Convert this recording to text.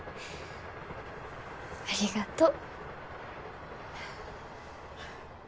ありがとう。